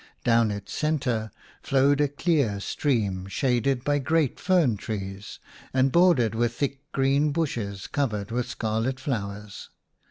Down its centre flowed a clear stream shaded by great tree ferns, and bordered with thick green bushes covered with scarlet flowers.